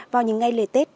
vào những ngày lễ tết